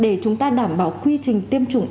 để chúng ta đảm bảo quy trình tiêm chủng